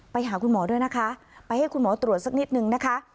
ไปหาคุณหมอด้วยนะคะไปให้คุณหมอตรวจสักนิดนึงนะคะ